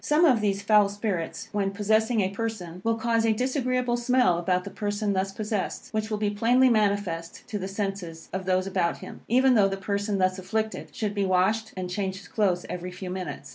Some of these foul spirits, when possessing a person, will cause a disagreeable smell about the person thus possessed, which will be plainly manifest to the senses of those about him, even though the person thus afflicted should be washed and change his clothes every few minutes.